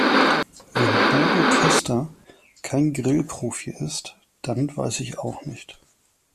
Wenn Bodo Köster kein Grillprofi ist, dann weiß ich auch nicht.